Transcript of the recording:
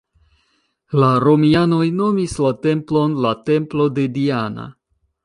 La romianoj nomis la templon la Templo de Diana.